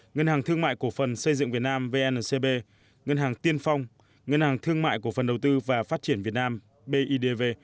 ngân hàng thương mại cổ phần xây dựng việt nam vncb ngân hàng tiên phong ngân hàng thương mại cổ phần đầu tư và phát triển việt nam bidv